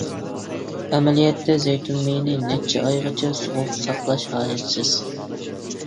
ئەمەلىيەتتە زەيتۇن مېيىنى نەچچە ئايغىچە سوغۇق ساقلاش ھاجەتسىز.